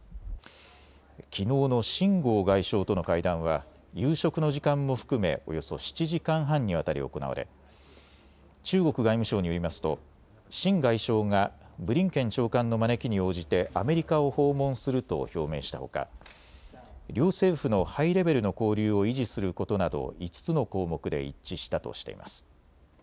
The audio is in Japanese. きのうの秦剛外相との会談は夕食の時間も含めおよそ７時間半にわたり行われ中国外務省によりますと秦外相がブリンケン長官の招きに応じてアメリカを訪問すると表明したほか両政府のハイレベルの交流を維持することなど５つの項目で一致したとしています。